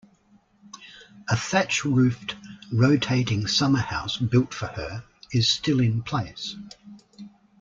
A thatch-roofed rotating summer house built for her is still in place.